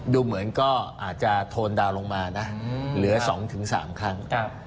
ดูเหมือนก็อาจจะโทนดาวน์ลงมานะหรือสองถึงสามครั้ง